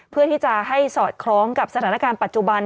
เพื่อที่จะให้สอดคล้องกับสถานการณ์ปัจจุบัน